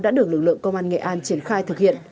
đã được lực lượng công an nghệ an triển khai thực hiện